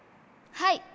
はい。